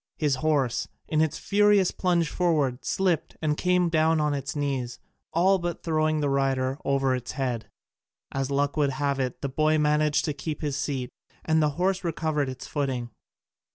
His horse, in its furious plunge forward, slipped, and came down on its knees, all but throwing the rider over its head. As luck would have it the boy managed to keep his seat, and the horse recovered its footing.